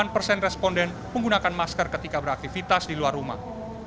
delapan persen responden menggunakan masker ketika beraktivitas di luar rumah